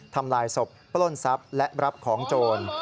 ทำลายศพปล้นทรัพย์และรับของโจร